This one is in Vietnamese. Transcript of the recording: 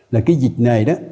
là cái dịch này đó